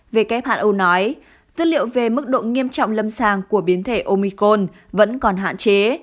who nói dữ liệu về mức độ nghiêm trọng lâm sàng của biến thể omicron vẫn còn hạn chế